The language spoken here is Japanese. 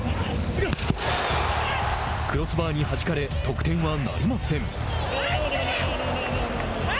クロスバーにはじかれ得点はなりません。